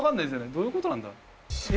どういうことなんだ？え？